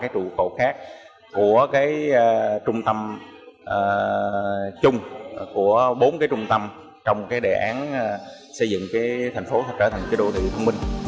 ba trụ cột khác của bốn trung tâm trong đề án xây dựng thành phố thông minh